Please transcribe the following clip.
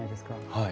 はい。